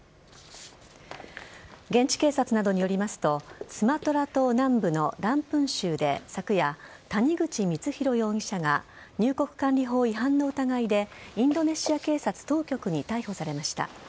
現地警察などによりますとスマトラ島南部のランプン州で昨夜谷口光弘容疑者が入国管理法違反の疑いでインドネシア警察当局に逮捕されました。